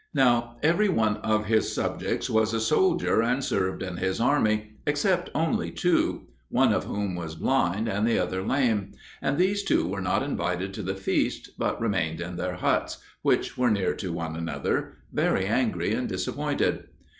Now every one of his subjects was a soldier and served in his army, except only two, one of whom was blind and the other lame; and these two were not invited to the feast, but remained in their huts which were near to one another very angry and disappointed.